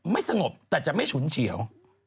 ไม่สงบแต่จะไม่ฉุนเฉียว